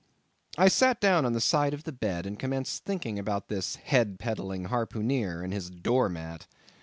I sat down on the side of the bed, and commenced thinking about this head peddling harpooneer, and his door mat.